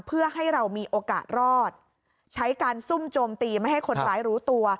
เพื่อให้เรามีโอกาสรอดใช้การซุ่มโจมตีไม่ให้คนร้ายรู้ตัว